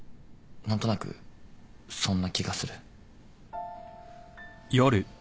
何となくそんな気がする。